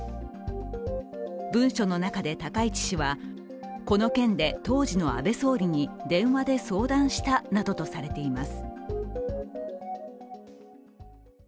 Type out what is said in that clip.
文書の中で高市氏はこの件について当時の安倍総理に電話で相談したなどとされています。